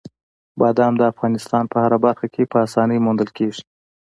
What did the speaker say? بادام د افغانستان په هره برخه کې په اسانۍ موندل کېږي.